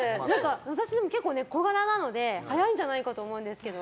私でも結構小柄なので速いんじゃないかと思うんですけど。